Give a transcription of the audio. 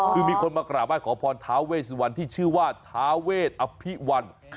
คือมีคนมากราบไห้ขอพรท้าเวสวันที่ชื่อว่าท้าเวทอภิวัล